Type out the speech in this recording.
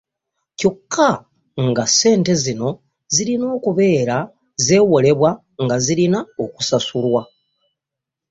Kyokka nga ssente zino zibeera zeewolebwa nga zirina okusasulwa.